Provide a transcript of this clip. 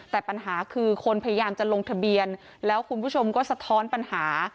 แต่ปัญหาคือคนพยายามจะลงทะเบียนแล้วคุณผู้ชมก็สะท้อนปัญหา